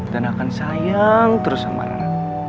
dan akan sayang terus sama rara